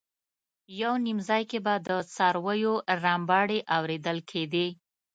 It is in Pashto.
یو نیم ځای کې به د څارویو رمباړې اورېدل کېدې.